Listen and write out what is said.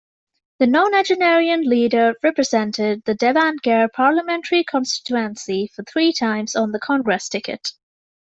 The nonagenarian leader represented the Davangere Parliamentary Constituency for three times on Congress ticket.